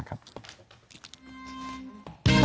เค้าแต่ง